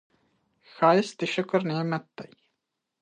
ښایست د شکر نعمت دی